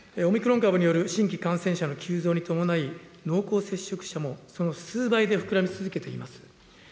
オミクロン株による新規感染者の急増に伴い、濃厚接触者もその数倍で膨らみ続けています。